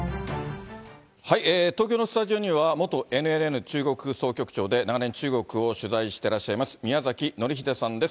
東京のスタジオには、元ＮＮＮ中国総局長で長年、中国を取材していらっしゃいます宮崎紀秀さんです。